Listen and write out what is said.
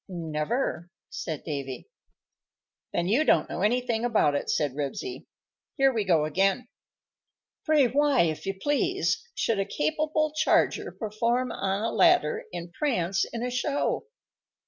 "Never," said Davy. "Then you don't know anything about it," said Ribsy. "Here we go again:" _Pray why, if you please, should a capable charger Perform on a ladder and prance in a show?